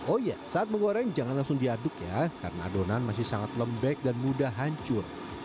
oh iya saat menggoreng jangan langsung diaduk ya karena adonan masih sangat lembek dan mudah hancur